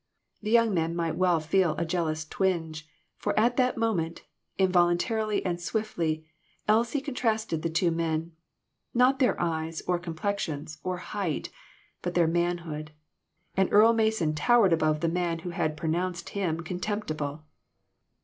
The young man might well feel a jealous twinge, for at that moment, involuntarily and swiftly, Elsie contrasted the two men ; not their eyes, or complexions, or height, but their manhood. And Earle Mason towered above the man who had pronounced him "contemptible."